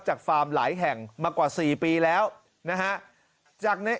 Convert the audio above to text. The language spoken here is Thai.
จากฟาร์มหลายแห่งมากว่า๔ปีแล้วนะฮะ